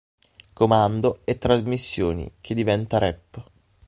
Comando e Trasmissioni, che diventa Rep.